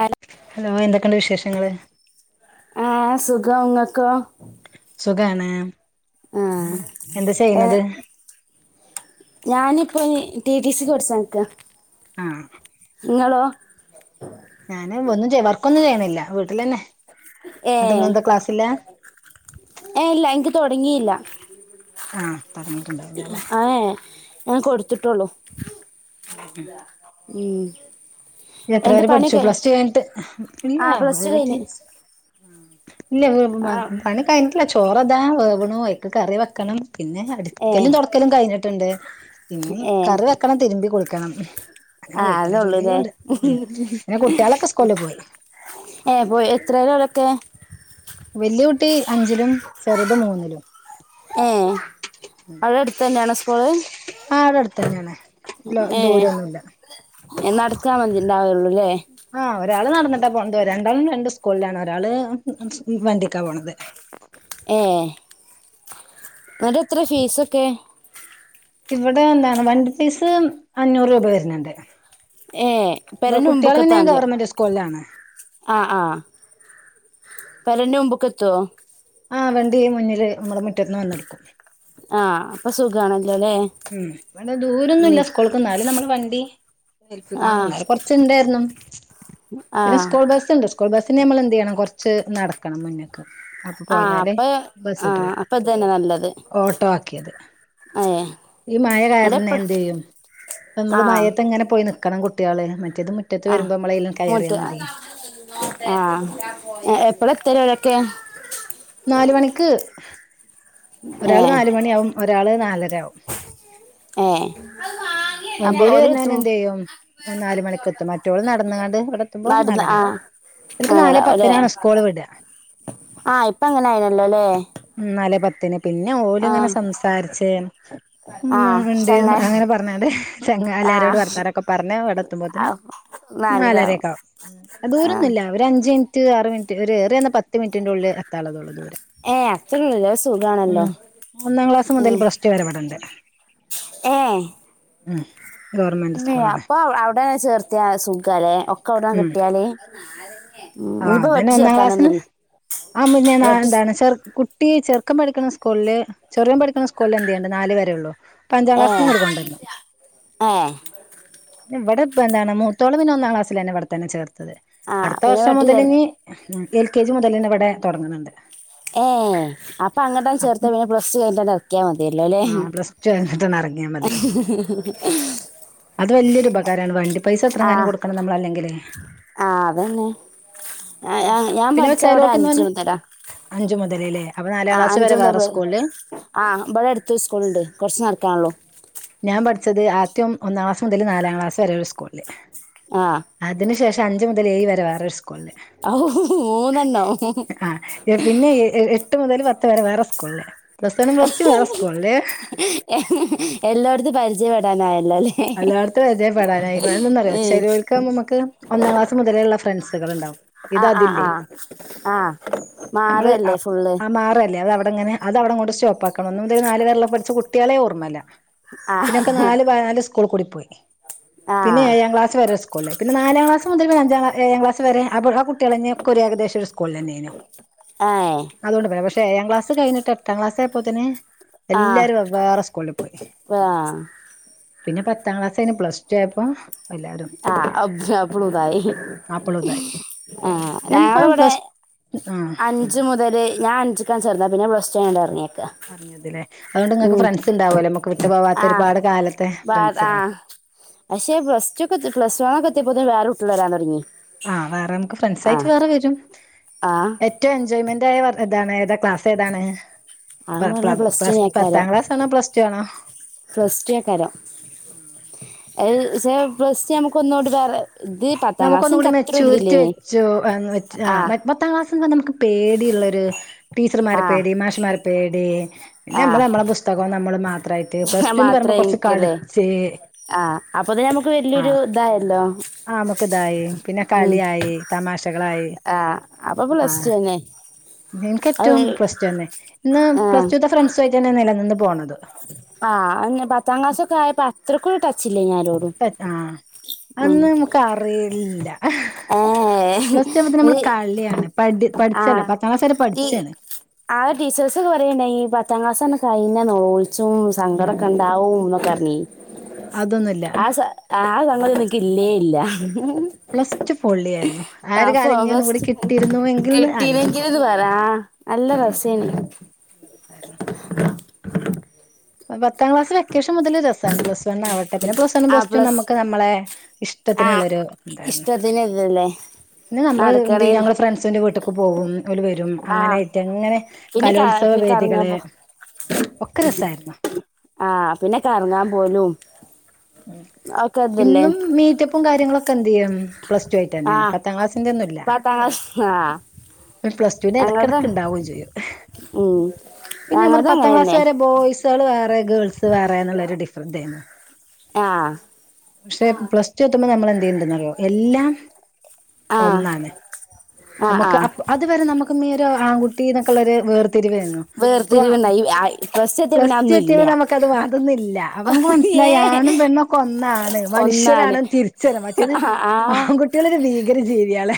Hello hello എന്തൊക്കെയുണ്ട് വിശേഷങ്ങള് ആഹ് സുഖം നിങ്ങക്ക്? സുഖാണ്. ആഹ് എന്താ ഏ ചെയ്യുന്നത് ഞാനിപ്പോ ടിടി സി ക്ക് പഠിച്ചോണ്ടിക്ക ആഹ് നിങ്ങളോ? ഞാന് ഒന്നും ചെയ വർക്കൊന്നും ചെയ്യണില്ല വീട്ടിലന്നെ ഏഹ് എന്നിട്ടെന്താന്ന് ക്ലാസ്സില്ല ഏഹ് ഇല്ല എൻക്ക് തൊടങ്ങിയില്ല. ആഹ് പറഞ്ഞട്ട അഹ് ഞാൻ കൊടുത്ത ത്തിട്ടോളൂ ഉം നീ എത്ര വരെ പഠിച്ചു പ്ലസ് ടു കഴിഞ്ഞിട്ട് ആഹ് പ്ലസ് ടു കഴിഞ്ഞ് ഇല്ല ആഹ് പണി കഴിഞ്ഞിട്ടില്ല ചോറ്താ വേവണൂ ഐന് കറി വെക്കണം പിന്നെ അടുക്കലും ഏഹ് തുടക്കലും കഴിഞ്ഞിട്ടുണ്ട് പിന്ന ഏഹ് കറിവ ക്കണം തിരുമ്പി കുളിക്കണം അങ്ങനെ ആഹ് വീട്ടിലെ അതേള്ളൂല്ലേ ജോലികളണ്ട് ഉം പിന്നെ കുട്ടികളൊക്കെ സ്കൂളിൽ പോയി ഏഹ് പോയി എത്രലാ ഓരൊക്കെ വെലൃ കുട്ടി അഞ്ചിലും ചെറുത് മൂന്നിലും ഏയ് അവിടെ അടുത്ത് തന്നെയാണൊ സ്കൂള് ആഹ് അവിടെ അടുത്ത് തന്നെയാണ് ഏഹ് ദൂരൊന്നുമില്ല നടക്കാൻ വതിണ്ടാവുകയള്ളൂല്ലേ ആഹ് ഒരാള് നടന്നിട്ടാ പോണത് രണ്ടാളും രണ്ട് സ്കൂളിലാണ് ഒരാള് വണ്ടിക്കാ പോണത് ഏഹ് എന്നിട്ട് എത്ര ഫീസൊക്കെ ഇവിടെ എന്താണ് വണ്ടി പീസ് അഞ്ഞൂറ് രൂപ വരുന്നുണ്ട് ഏഹ് പെരേന്റെ കുട്ടികള് പിന്നെ മുമ്പ്ക്കെത്താ മതിയോ ഗവൺമെന്റ് സ്കൂളിലാണ് ആഹ് ആപ്പ അര്റെ മുമ്പൊക്കെ എത്തുമോ ആഹ് വണ്ടി മുന്നില് നമ്മുടെ മുറ്റന്ന് വന്നെടുക്കും ആഹ് അപ്പൊ സുഖമാണല്ലോ അല്ലേ ഉം ഇവിടെ ദൂരൊന്നും ഇല്ല സ്കൂൾക്ക്ന്നാലും നമ്മള് വണ്ടി ഏൽപ്പിക്ക ആഹ് കുറ ഉണ്ടായിരുന്നു പിന്നെ ആഹ് സ്കൂൾ ബസ്ണ്ട് സ്കൂൾ ബസ്സിന് നമ്മൾ എന്ത് ചെയ്യണം കൊറച്ച് നടക്കണം മുന്നേക്ക് അപ്പൊ ആഹ് പോയാലേ അപ്പൊ ബസ് ആഹ് കിട്ടുള്ളൂ അപ്പൊ ഇതന്നെ നല്ലത് ഓട്ടോ ആക്കിയത് അയ ഈ മഴ കാരണം എന്ത് ചെയ്യും നമ്മള് ആഹ് മഴത്തെ എങ്ങനെ പോയി നക്കണം കുട്ടികള് മറ്റേത് മുറ്റത്ത് ആഹ് വരുമ്പോ നമ്മളെലും കയറിയൽ മൂത്ത് മതി ആഹ് എപ്പഴ എത്തരഴൊക്കെ നാല മണിക്ക് ഒരാള് ഏഹ് നാലുമണിയ ആവും ഒരാള് നാലരയാവും ഏഹ് അപ്പൊ വണ്ടിയില് ഓല് വരുന്നവന എത്തും എന്ത് ചെയ്യും നാല് മണിക്ക് എത്തും മറ്റോള് നടന്നുകാണ്ട് ഇവിടെ എത്തുമ്പോ നടന്ന് നാല്ലരോ ആഹ് എക്ക് നാല് ആണല്ലേ ഓല് പത്തിന ആണ് സ്കൂൾ വിടുക ആഹ് ഇപ്പ അങ്ങനെ ആയിനല്ലോല്ലേ നാല് പത്തിന് പിന്നെ ഓലുംങ്ങനെ സംസാരിച്ച് ആഹ് ഉം ഉണ്ട് ചങ്ങായി അങ്ങനെ പറഞ്ഞതേ എല്ലാരോട് ആഹ് വർത്താരൊക്കെ പറഞ്ഞ അവിടെ എത്തുമ്പോത്തന് നാലരാവും നാലരൊക്കെ ആവും ആഹ് ദൂരൊന്നുമല്ല ഒരുര് അഞ്ച് മിനിറ്റ് ആറ് മിനിറ്റ് ഒരു [unintelligible] പത്ത് മിനി ഉണ്ട ഉള്ള തളതോളു ദൂരം ഏ അത്രല്ല സുഖാണല്ലോ ഉം ഒന്നാം ക്ലാസ് മുതൽ പ്ലസ് ടു വരെ ഇവിടണ്ട് ഏഹ് ഉം ഗവൺമെന്റ് ഇ സ്കൂളാണ് അപ്പൊ അവിടെന്ന ചേർത്തിയ സുഖല്ലേ ഒക്കെ അവിടന്ന ഉം കിട്ടിയാല് ഉം, ആഹ് ഇനിയിപ്പോ അതന്നെ വെട്ടി ഒന്നാം ക്ലാസ്സിന് ചേർത്താനൊന്നുമില്ല അമ്മ വെട്ടി ച്- എന്താണ് ചെറ കുട്ടി ചെറുക്കം പഠിക്കുന്ന സ്കൂളിൽ ചെറും പഠിക്ക സ്കൂളിൽ എതുണ്ട് നാലല് വരെ ഉള്ളൂ ഏ പഞ്ചാലസങ്ങൾ കൊണ്ടന്നു ഏ ഇവിടെ ഇ എന്താണ് മത്തോളിന് ഒന്നാം ക്ലാസിലന്ന ഇവിടെത്തന്നെ ചേർത്തത് ആഹ് അടുത്ത അപ്പ ഞാ വർഷം വട്ടിൽ ചേർ മുതലിനി എൽ കെ ജി മുതലന്ന ഇവിടെ തുടങ്ങുന്നുണ്ട് ഏഹ് അപ്പൊ അങ്ങനട്ട ചേർത്ത അപ്പം പിന്നെ പ്ലസ് ടു കഴിഞ്ഞട്ട് എക്കാൻ മതില്ലല്ലേ ആഹ് പ്ലസ് ടു കഴിഞ്ഞിട്ടൊന്ന് ഇറങ്ങിയാൽ മതി അത് വലിയൊരു ഉപകാരമാണ് വണ്ടി പൈസ ആ എത്രങ്ങാനും കൊടുക്കണം നമ്മൾ അല്ലെങ്കിലേ ആ അതന്നെ ആ, ഞാൻ- ഞാൻ പിന്നെ പഠിച്ച അവിടെ വച്ചാലോർക്കന്ന് അഞ്ചു പറഞ്ഞ മുതലാ അഞ്ചു മുതലേല്ലേ അപ്പൊ നാലാം ക്ലാസ് വരെ വേറെ സ്കൂളില് ആഹ് ഇവിടെ അടുത്ത സ്കൂള ഉണ്ട് കുറച്ച് നടക്കാനല്ലോ ഞാൻ പഠിച്ചത് ആദ്യം ഒന്നാം ക്ലാസ് മുതൽ നാലാം ക്ലാസ് വരെ ഒരു സ്കൂളില് ആഹ് അതിനു ശേഷം അഞ്ച് മുതൽ ഏഴ് വരെ വേറ ഔ മൂന്നെണ്ണം ആഹ് പിന്നെ എട്ട് മുതൽ പത്ത് വരെ വേറെ സ്കൂളില് പ്ലസ് വണും പ്ലസ് ടു വേറെ സ്കൂളില് എല്ലായിടത്തും പരിചയപ്പെടാനായല്ലോ അല്ലേ എല്ലായിടത്തും വയ പടാനായിന്നറിയോ ഉം ചെരിയൊൽക്ക നമുക്ക് ഒന്നാം ക്ലാസ് മുതലേള്ള ഫ്രണ്ട്സുകളൾണ്ടാവും ആ ഇത് ആ അതില്ലേ ആ ആ നമ്മള് മാറല്ലേ ഫുള്ള് ആഹ് മാറല്ലേ അത് അവിടെങ്ങനെ അത അവിടെ കൊണ്ട് സ്റ്റോപ്പ് ആക്കണം ഒന്നും മുതൽ നാല് [unintelligible] പഠിച്ച് കുട്ടികളെ ഓർമ്മമല്ല ആ പിന്നെൊക്കെ നാല് ടിയി ആ പിന്നെ ക്ലസ് വരെ സ്കൂളേന്ന നാലാം ക്ലാസ് മുൽ പിന്ന അഞ്ചാം ഏഴാം ക്ലാസ് വരെ ആഹ് കുട്ടികളഞ്ഞ ഒ ഒരു ഏകദേശ ഒരു സ്കൂള തന്നെ ആഹ് അതൊണ്ട് പോയതാ പക്ഷേഏഴാം ക്ലാസ് കിഞ്ഞിട്ട് എട്ടാം ക്ലാസ്സയപ്പോത്തിന് ആഹ് ആഹ് പിന്നെ പത്താം ക്ലാസ് കഴിഞ്ഞ് പ്ലസ് ടു ആയപ്പം ആഹ് ആപ്പളും ഇതായി [unintelligible] ആഹ് ഞാനിപ്പ ഞങ്ങളിവിടെ പ്ലസ് അഹ് ആ അഞ്ച് മുതൽ ഞാൻഞ്ചിക്കാണ് ചേർന്നത് പിന്നെ പ്ലസ് ടു കഴിഞ്ഞർങ്ങിയേക്കാം [unintelligible] അതുകൊണ്ട് നിങ്ങൾക്ക് ഫ്രണ്ട്സ് ഉണ്ടാവുമല്ലോ നമുക്ക് വിട്ടു ആ പോവാത്ത ഒരുപാട് കാലത്തെ ബാ ആ ഫ്രണ്ട്സിലേ പക്ഷെ പ്ലസ് ടു ഒകെത്തി പ്ലസ് വൺൊക്കെത്തിയപ്പോ വേറേ കുട്ടികള് വരാൻ തുടങ്ങി ആഹ് വേറെ നമുക്ക് ഫ്രണ്ട്സ് ആ ആയിട്ട് വേറെ വരും ആ ഏറ്റവും എൻജോയ്മെന്റ് ആയതാണ് ഏത് ക്ലാസ് ഏതാണ് ആ പറഞ്ഞ പ്ലസ് പത്താം ക്ലാസ് ആണോ പ്ലസ് ടു ആണോ പ്ലസ്റ്റു ക്കാരം അത് പ്ലസ് നമുക്ക് ഒന്നോട്ട് കേറ ഇത് പത് നമുക്ന്നുകൂടി മെച്ചയൂരിറ്റി വെച്ചു വെ ആഹ് അത്താം ക്ലാസ്റ്റ് റിമ്പംനമുക്ക് പേടിയുള്ളൊരു ടീച്ചർ മാരെ ആഹ് പേടി മാഷർ മാർ പേടി പിന്നെ നമ്മള് ആഹ് നമ്മളുടെ പുസ്തകം നമ്മള് മാത്രമായിട്ട് പ്ലസ് എന്ന് മാത്രേ പറയുമ്പോൾ കുറച്ച് എനിക്കല്ലേ കളിച്ച് ആഹ് അപ്പൊ തന്നെ നമുക്ക് വല്യൊരു ഇതായല്ലോ നമുക് ഇതായി പിന്നെ ഉം കളിയായി തമാശകളായി ആഹ് അപ്പൊ പ്ലസ് ടു ആഹ് തന്നെ എനക്ക് അത് ഏറ്റവും പ്ലസ്റ്റുതന്നെ ഇന്ന് ആഹ് പ്ലസ് ടു ഫ്രണ്ട്സു ആയിട്ട് തന്നെ നിലനിന്നന്ന് പോണത് ആഹ് അന്ന് പത്താം ക്ലാസ്സൊ ഒക്കെയപ്പോ അത്രക് ടച്ചില്ലേയ് നിരോടും ആഹ് അന്ന് നമുക്ക് അറിയില്ല ഏഹ് പ്ലസ്ടു ആവുമ്പത്തേ നമ്മള് ഇത് കളിയാണ് പഠ പഠിച്ചല്ലോ പത്താം ക്ലാസ് വരെ പഠിച്ചാണ് ആഹ് ടീച്ചേഴ്സ് പറയണ്ടയി പത്താം ക്ലാസ്ണ്ട് കഴഞ്ഞന്നോ ച്ചും സങ്കടൊക്കെ ഉണ്ടാവും എന്നൊക്കെറഞ്ഞി അതൊന്നുമില്ല ആഹ് ആഹ് തങ്ങ നിക്ക് ഇല്ലേ ഇല്ല പ്ലസ് ടു പൊള്ളിയായിരുന്നു ആ ഒരു കാലം ഇനി ഒന്നും കൂടി കിട്ടിയിരുന്നു എങ്കിൽന്ന് ആലോചിക്കും [unintelligible] നല്ല എന്ത് രസേന് [inaudible] പത്താം ക്ലാസ് വെക്കേഷൻ മുതൽ രസമാണ് പ്ലസ് വൺവട്ടെ പിന്നെ പ്ലസ് വൺ പ്ലസ് ടു നമുക്ക് നമ്മളെ ഇഷ്ടത്തിനുള്ളൊരു തായിരുന്നു അതിനല്ലല്ലേ പിന്നെ നമ്മള് എന്ത് ഞങ്ങൾ ഫ്രണ്ട്സിന്റെ വീട്ടേക്ക് പോകും അവര് വരും ആ അങ്ങനെട്ട അങ്ങനെ പിന്നെ ക കലോത്സവ കറങ്ങാൻ വേദികളെ പോ ഒക്കെരസായിരുന്നോ ആഹ് പിന്നെ കറങ്ങാൻ പോലും ഉം ഒക്കെ ഇതല്ലേ ഇന്നും മീറ്റപ്പും കാര്യങ്ങളൊക്കെ എന്ത് ചെയ്യു പ്ലസ് ടു ആയിട്ട് ആ തന്നെയാണ് പത്താം ക്ലാസിന്റെ ഒന്നും ഇല്ല പത്താം ക്ലാസ് ആ പ്ലസ് ടുവിന്റെ ഞങ്ങളത് ഇടക്കിടക്ക് ഉണ്ടാവുകയും ചെയ്യും ഉം പിന്നെ നമ്മുടെ ഞങ്ങളത് പത്താം ക്ലാസ് അങ്ങനെന്നെ വരെ ബോയ്സ് സ്കൾ വേറെ ഗേൾസ് വേറെ എന്നുള്ളൊരു ഡിഫറൻസ് ആയിരുന്നു. ആഹ് പക്ഷെ പ്ലസ് ടു എത്തുമ്പോൾ നമ്മൾ എന്ത് ചെയ്യുന്നുണ്ടെന്ന് അറിയോ എല്ലാം ആ ഒന്നാണ് ആ ആ നമുക്ക് അതുവരെ നമുക്ക് ഒരു ആൺകുട്ടിന്നൊക്കെ ഉള്ള രു വേർ രിവയിരുന്നു അപ്പൊ വേർതിരിവുണ്ടായി പ്ലസ് ടു എത്തിയ പിന്നെ പ്ലസ്റ്റു അതൊന്നും എത്തിയപ്പം ഇല്ല നമുക്കത് വ അതൊന്നില്ല അപം നമുക്ക് മനസ്സിലായി ആഹ് ആണും ഏ പെണ്ണൊക്കെ ഒന്നാണ് ഒന്നാണ് മനുഷ്യരാണ് തിരിച്ചറിഞ് മറ്റേത്ട് ആ കുറ്റികൊരു ഭീകര ജീവികള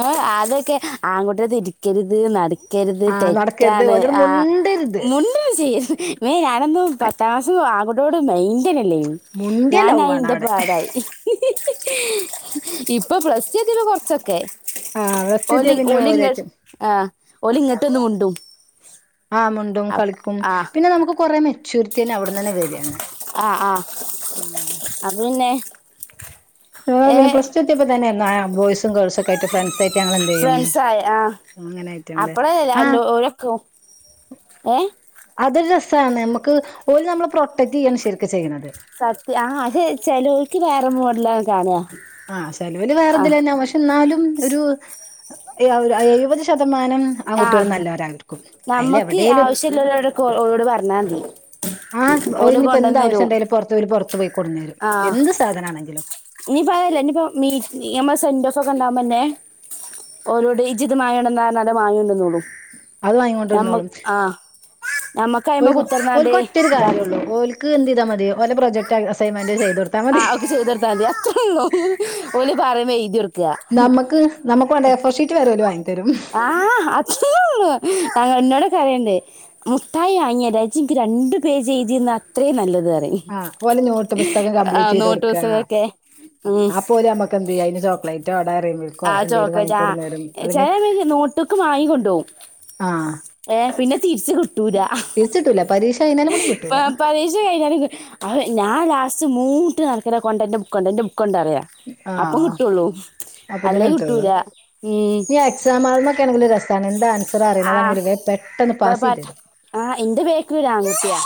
ആഹ് അതൊക്കെ ആൺകുട്ടികളുടെടുത്തിരിക്കരുത് അടു രുത് ആഹ് നടക്കരുത് തെറ്റാണ് ഓലോട് ആഹ് മുണ്ടരുത് മുണ്ടും ചെയ്യരുത് മ്മേ ഞാനൊന്നും പത്താം ക്ലാസ്സ് ആൺകുട്ടികളോട് മെയിന്റന ഇല്ലായിരുന്നു മുണ്ടിയ ലൗവാണ് ഞാനയിന്റെ അവിടെ പാടായി ഇപ്പൊ പ്ലസ് ടു എത്തിയപ്പോൾ കൊറച്ചൊക്കെ ആഹ് പ്ലസ് ടു എത്തിയ ഓലി പിന്നെ ഒലിങ്ങ് ഓലായിട്ട് ആഹ് ഓലിങ്ങട്ട്ന്ന് മുണ്ടും ആഹ് മുണ്ടും അപ് കളിക്കും ആ പിന്നെ നമുക്ക് കൊറെ മെച്യൂരിറ്റി തന്നെ അവിടെന്നന്നെ വരും. ആഹ് ആഹ് അത് പിന്നെ എ ഏ പിന്നെ പ്ലസ് ടൂ എത്തിയപ്പോ തന്നെ എന്നാ ബോയ്സും ഗേൾസൊക്കായിട്ട് ഫ്രണ്ട്സായിട്ട് ഞങ്ങളെന്തെയ്യും ഫ്രണ്ട്സായി ആ അങ്ങനെയിട്ട മള് ആഹ് കൊം ഏഹ് അതൊരു രസാണ് നമുക്ക് ഓരു നമ്മളെ പ്രൊട്ടക്ട് ചെയ്യാണ് ശരിക്ക് ചെയ്യണത് സത്യ ആഹ് അതെ ചെലോയ്ക്ക് വേറെ മോഡലാണ് കാണ ആഹ് സെലവിൽ വേറെതില തന്നെയാ പക്ഷെ എന്നാലും ഒരു എഴപത് [unintelligible] ശതമാനം ആ ആൺകുട്ടികളും നല്ലവരാണ്‌ട്ടോ അയില് എവിടെലും ജ [unintelligible] പ്പൊ ഓളോട്പറഞ്ഞാതി ആഹ് ഒരു ഇനി ഇപ്പോ എന്ത ആവശ്യം ഉണ്ടായാലും പുറത്തു പോ പുറത്തു പോയി കൊടുന്നെരും എന്ത് സാധനം ആണെങ്കിലും ഇനി പയല്ലേ ഇനിപ്പ മീ നമ്മ സെൻ്റോഫൊക്കെ ണ്ടാവുമ്പന്നെ ഓരോടെ ഇജിത് മങ്ങണ്ടെന്നാരല്ല മായണ്ടന്നോള്ളു അത് ഞമ്മ വാങ്ങിക്കൊണ്ടിരുന്നോളും ആഹ് [unintelligible] ഞമ ഓൽക്ക് ഓൽക്കൊറ്റാരു കാര്യുള്ളൂ ഓൽക്ക് എന്തെയ്താമതി ഓലെ പ്രോജക്ട് അസൈൻമെന്റ് ചെയ്തു കൊടു ആഹ് ഒക്കെ ചെയ്തർത്താൽതി അത്ര ള്ളു ഓല് പറയുമ്പോ എഴുതിഒർക്ക നമുക്ക് നമുക്ക് വണ്ട എഫോർഷീറ്റ് വരെ ഓല് വാങ്ങി തെരും ആഹ് അച്ഛള്ളു തങ്ക ഇന്നോട് കരയണ്ടേ [unintelligible] മുഠായി വാങ്ങിയരാ ജ്ജ് ഇൻക്ക് രണ്ട് പേജ് എഴതിന്ന അത്രയും നല്ലത്റയും ആഹ് പോലെ നോട്ട് പുസ്തകം കംപ്ലീറ്റേയ്തൊടുക്ക പുസ്തകൊക്കെ ഉം അപ്പോല് മ്മക്ക് [unintelligible] ഇനി ചോക്ക്ലൈ റ്റോ ഡയറി മിൽക്കോ ആ എന്തേലും ചോക്ലേറ്റ് ആ വാങ്ങിക്കൂടുന്ന് തരും അല്ലെങ്കി ചെല നോട്ട്ക്ക് വാങ്ങിക്കൊണ്ടോവും ആഹ് ഏഹ് പിന്നെ തിരിച്ച് കിട്ടൂല തിരിച്ചിട്ടൂല്ല പരീക്ഷഴിനാലും കൂടി കിട്ടൂല്ല പരീക്ഷ ഞാൻ ലാസ്റ്റ് മൂട്ട് ന നടക്ക കൊണ്ട എൻ്റെ ബുക്കൊണ്ട എൻ്റെ ബുക്കുണ്ടറിയ അപ്പം ആഹ് കിട്ടുള്ളൂ അല്ലേ കിട്ടൂലാ നീ എക്സാം ആുന്നൊക്കൊണെങ്കിൽ ഞ്ഞി അ എക്സാം ഹാൾ ന്നെക്കെണെങ്കിലും രസാണ് ന്താ ആൻസർ ആഹ് അറിണതാണെങ്കില് വെം പെട്ടന്ന് പാസെയ്‌തെരും ആഹ് ഇന്റെ ബേക്കിലൊരു ആങ്കുട്ടിയാ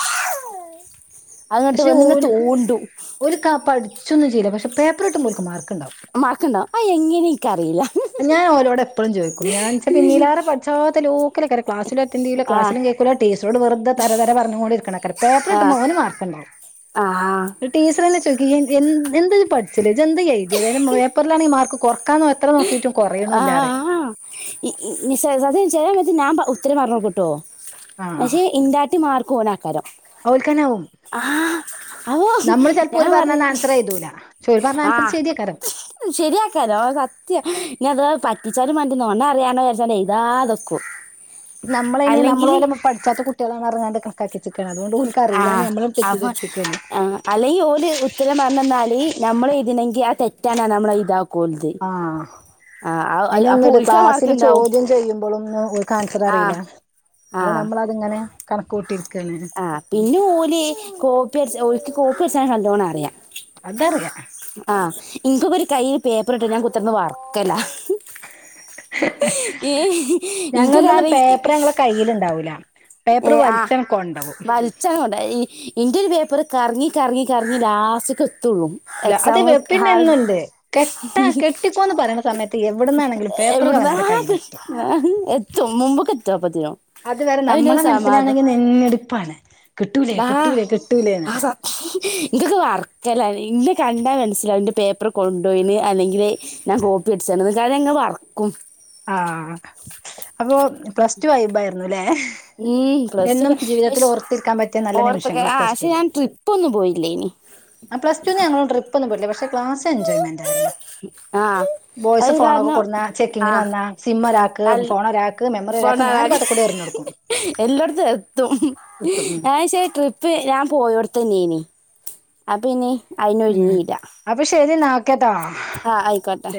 പക്ഷെ ഓല് ഒരു കാ പഠിച്ചൊന്നും ചെയ്ല്ല പക്ഷെ പേപ്പർട്ടുംമ്പോ ഓൽക്ക് മാർക്ക്ണ്ടാവും മാർക്കണ്ടാവു ആ എങ്ങനെനിക്ക് അറീല ഞാൻ ഓലോട് എപ്പളും ചോയിക്കും ഞാൻെച്ച ഇന്നിലെറെ പടിച്ചത്ത ലോക്കലേക്കാരം ക്ലാസിലറ്റൻഡ് ചെയുല ആ ക്ലസിലും കെ ടീച്ചറോട് വെറുതെ തര തര പറഞ്ഞുംകൊണ്ട് ഇരിക്കണെക്കാര പേപ്പർ ഇട്ടുമ്പോ ഓന് മാർക്ക്ണ്ടാവും ആഹ് ടീച്ചറനെ ചോയിക്കും എന്ന്ത് പഠിച്ചില്ല ഇത് എന്ത്തു [unintelligible] അതായത് പേപ്പിലാണ ഈ മാർക്ക് കൊറക്കാന്ന് [unintelligible] എത്ര നോക്കിയിട്ടും കൊറയണൂല്ലാറിം ആഹ് ഹാ [unintelligible] ആഹ് പക്ഷെ ഇൻ്റാട്ടി മാർക്ക് ഓനേക്കാരം ഓൽക്കാന്നാവും അപ്പോ നമ്മള് ചെലപ്പോ ഞാൻ ഓല് പറഞ്ഞന്ന പറയും ആൻസർ എയ്തൂല [unintelligible] പറഞ്ഞ ആൻസർ ശെരിയാക്കാരം ശെരിയാക്കാരോ സത്യ ഇനി അത് പറ്റിച്ചാലും [unintelligible] നമ്മളയിന് അല്ലെങ്കിൽ നമ്മളോലപ്പൊ പടിച്ചാത്ത കുട്ടികളാണ് നറഞ്ഞാണ്ട് [unintelligible] അതുകൊണ്ട് ഉൽ കറിലാന്ന് നമ്മളും തെറ്റിദ്ധരിച്ചിക്കാണ് അല്ലെങ്കി ഓല് ഉത്തരം പറഞ്ഞന്നാല് നമ്മളെ ഇതിനെങ്കി ആഹ് തെറ്റണ നമ്മള ഇതാക്കോൽത് ആഹ് [unintelligible] ഓൽക്കാ മാർക്ക് ക്ലാസ്സില് ഉണ്ടാവും ചോദ്യം ചെയ്യുമ്പോളും ഓൽകാ ആൻസർ അറിയില്ല ആഹ് ആഹ് അത്ങ്ങനെ കണക്ക് കൂട്ടിരിക്കാണ് ആഹ് പിന്നെ ഓല് കോപ്പി അടിച്ച ഓൽക്ക് കോപ്പി അടിച്ച നല്ലോണം അറിയാ അതറിയ ആഹ് ഇൻകിപ്പൊ ഒരു കയ്യില് പേപ്പർ കിട്ട്യാ ഞാൻ കുത്തർന്ന് വറക്കലാ ഇൻക്ക് ഞങ്ങളതെല്ലാം കാരണം പേപ്പർ ഞങ്ങളെ കയ്യ്ല്ണ്ടാവൂല പേപ്പർ വലിച്ചംങ്ങ് കൊണ്ടോവും വലിച്ചണ് കൊണ്ട ഈ ഇന്റെ ഒരു പേപ്പർ കറങ്ങി കറങ്ങി കറങ്ങി ലാസ്റ്റ്ക്ക് എത്തോള്ളൂ ല്ല അത് വെ പിന്നെന്നുണ്ട് കെട്ടാ കെട്ടിക്കോന്ന് പറയണ സമയത്ത് എവിടുന്നാണെങ്കിലും പേ ഇവിടുന്നാ കി ആഹ് എത്തും മുമ്പ്ക്കെത്തും അപ്പത്തിനും അയ്ലൊരു സമാധാ നെഞ്ഞ്ടുപ്പാണ് കിട്ടൂലേ കിട്ടൂലേ കിട്ടൂലേന്ന് ഇൻകൊക്കെ വർക്കല ഇൻ്റെ കണ്ടാ മനസ്സിലാവുംന്റെ പേപ്പർ കൊണ്ടു പോയിന്ന് അല്ലെങ്കില് ഞാൻ കോപ്പി അടിച്ചു [unintelligible] വറക്കും ആഹ് അപ്പൊ പ്ലസ് ടു വൈബ് ആയിരുന്നുല്ലെ ഉം പ്ലസ് ടു എന്നും ഒക്കെ ജീവിതത്തിൽ പക്ഷെ ഓർത്തിരിക്കാൻ പറ്റിയ നല്ല ഓർത്തൊക്കെ നിമിഷങ്ങളാ ആ പക്ഷെ പ്ലസ്ടൂല് ഞാൻ ട്രിപ്പ് ഒന്നും പോയില്ലേനി ആഹ് പ്ലസ്ടുന്ന് ഞങ്ങള് ട്രിപ്പൊന്നും പോയിട്ടില്ല പക്ഷെ ക്ലാസ് എൻജോയ്മെൻ്റാരുന്നു ആഹ് ബോയ്സ് അത് ഫോണൊക്കെ കാരണം കൊടുന്നാ ചെക്ക് ങ്ങനെ ആഹ് വന്നാ സിമ്മ് ഒരാക്ക് അൽ ഫോണരാക്ക് മെമ്മറി ഒരാക്ക് നാലും ബാത്ത്കൂടി എറിഞ്ഞ് കൊടുക്കും എല്ലാടത്തും എത്തും എത്തും ഉം ആഹ് ശെ ട്രി പ്പ് ഞാൻ പോയടത്തന്നെനീ അപ്പനി ഉം അയ്നൊരിങ്ങീല്ല അപ്പൊ ശരിന്നാ ഓകെട്ടോ ആഹ് അയിക്കോട്ടെ